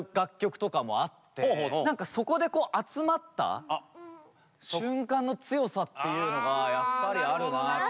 何かそこで集まった瞬間の強さっていうのがやっぱりあるなあと。